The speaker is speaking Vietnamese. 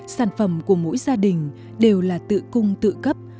sản phẩm của mỗi gia đình đều là tự cung tự cấp